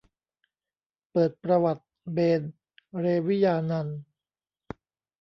เปิดประวัติ เบญ เรวิญานันท์